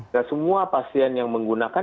dan semua pasien yang menggunakan